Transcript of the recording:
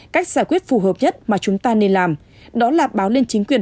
cách giải quyết phù hợp nhất mà chúng ta nên làm đó là báo lên chính quyền